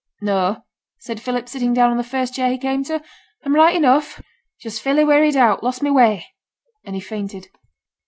'No!' said Philip, sitting down on the first chair he came to. 'I'm right enough; just fairly wearied out: lost my way,' and he fainted.